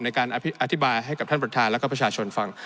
ในการอธิบายให้กับท่านประธานแล้วก็ประชาชนฟัง